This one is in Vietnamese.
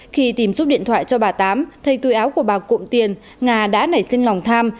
khi tìm giúp điện thoại cho bà tám thấy tùy áo của bà cụm tiền nga đã nảy sinh lòng tham